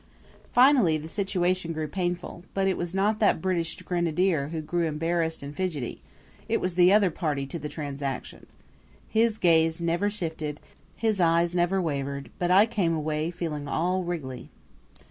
Finally the situation grew painful; but it was not that British grenadier who grew embarrassed and fidgety it was the other party to the transaction. His gaze never shifted, his eyes never wavered but I came away feeling all wriggly.